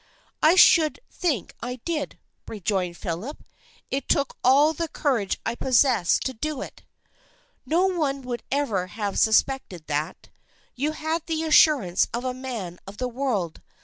" I should think I did," rejoined Philip. " It took all the courage I possessed to do it." " No one would ever have suspected that. You had the assurance of a man of the world.